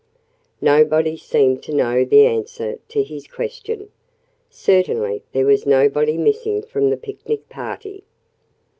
Nobody seemed to know the answer to his question. Certainly there was nobody missing from the picnic party.